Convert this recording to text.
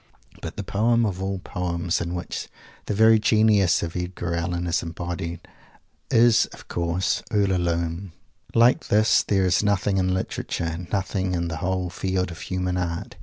But the poem of all poems in which the very genius Edgar Allen is embodied is, of course, "Ulalume." Like this, there is nothing; in Literature nothing in the whole field of human art.